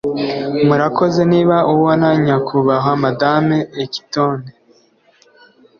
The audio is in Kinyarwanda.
Murakoze Niba ubona nyakubahwa Madamu Equitone